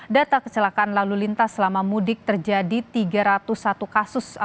data kecelakaan lalu lintas selama mudik terjadi tiga ratus satu kasus